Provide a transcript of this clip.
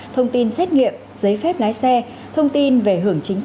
thông tin xét nghiệm giấy phép lái xe thông tin về hưởng chính sách